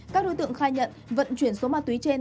các đối tượng khai nhận vận chuyển số ma túy trên